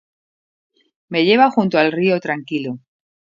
Me lleva junto al río tranquilo.